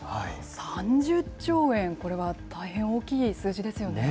３０兆円、これは大変大きい数字ですよね。